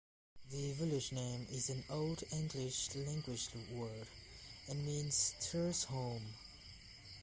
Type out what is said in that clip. The village name is an Old English language word, and means 'Tir's home'.